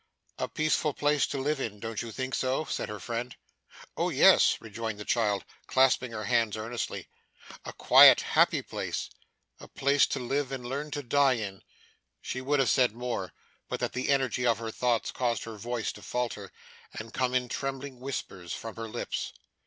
'A peaceful place to live in, don't you think so?' said her friend. 'Oh yes,' rejoined the child, clasping her hands earnestly. 'A quiet, happy place a place to live and learn to die in!' She would have said more, but that the energy of her thoughts caused her voice to falter, and come in trembling whispers from her lips.